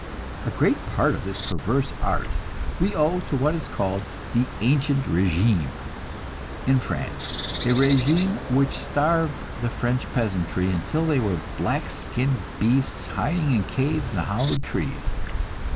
A great part of this perverse art we owe to what is called the "ancient régime" in France a régime which starved the French peasantry until they were black skinned beasts hiding in caves and hollow trees.